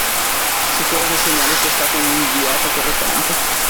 Sicura che il segnale sia stato inviato correttamente?